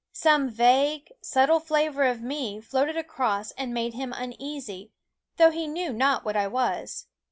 Some vague, subtle flavor of me floated across and made him uneasy, though he knew not what I was.